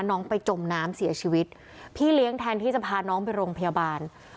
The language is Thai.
น้องไปจมน้ำเสียชีวิตพี่เลี้ยงแทนที่จะพาน้องไปโรงพยาบาล